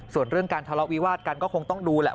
ส่วนเรื่องการทะเลาะวิวาดกันก็คงต้องดูแหละ